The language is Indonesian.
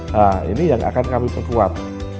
nah ini yang akan kami perkuat